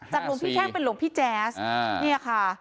หลวงพี่แท่งเป็นหลวงพี่แจ๊สเนี่ยค่ะ